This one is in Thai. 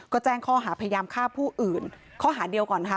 ก็แจ้งข้อหาพยายามฆ่าผู้อื่นข้อหาเดียวก่อนค่ะ